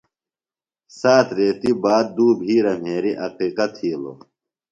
سات ریتیۡ باد دُو بِھیرہ مھرِیۡ عقیقہ تِھیلوۡ۔